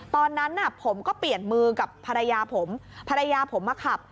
ตอนนั้นผมก็เปลี่ยนมือกับภรรยาผมมาขับ